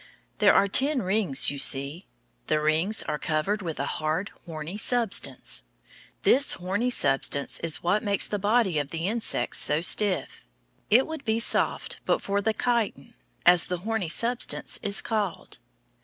There are ten rings, you see. The rings are covered with a hard, horny substance. This horny substance is what makes the body of the insect so stiff. It would be soft but for the chitin, as the horny substance is called.